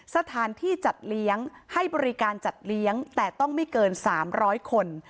สถานที่จัดเลี้ยงให้บริการจัดเลี้ยงแต่ต้องไม่เกิน๓๐๐คน